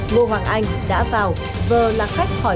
ngô hoàng anh đã vào vờ là khách khỏi